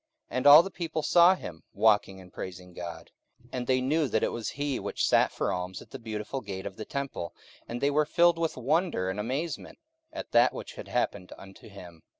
44:003:009 And all the people saw him walking and praising God: 44:003:010 And they knew that it was he which sat for alms at the Beautiful gate of the temple: and they were filled with wonder and amazement at that which had happened unto him.